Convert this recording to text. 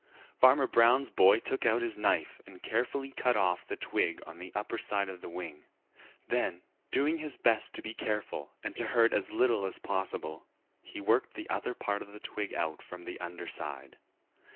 Farmer Brown's boy took out his knife and carefully cut off the twig on the upper side of the wing. Then, doing his best to be careful and to hurt as little as possible, he worked the other part of the twig out from the under side.